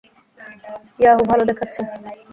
Yahoo, ভালোই দেখাচ্ছে।